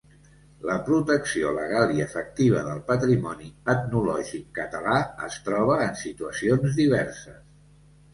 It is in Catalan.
La protecció legal i efectiva del patrimoni etnològic català es troba en situacions diverses.